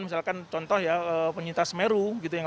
misalkan contoh penyintas meru